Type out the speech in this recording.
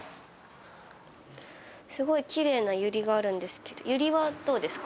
すごいきれいなユリがあるんですけどユリはどうですか？